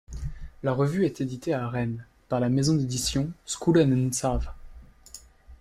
La revue est éditée à Rennes par la maison d'édition Skol an Emsav.